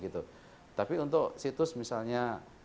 tapi untuk situs misalnya